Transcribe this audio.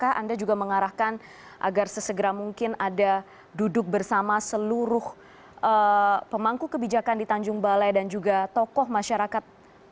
apakah anda juga mengarahkan agar sesegera mungkin ada duduk bersama seluruh pemangku kebijakan di tanjung balai dan juga tokoh masyarakat